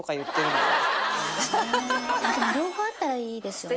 でも両方あったらいいですよね。